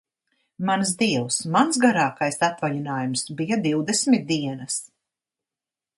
Mans Dievs, mans garākais atvaļinājums bija divdesmit dienas.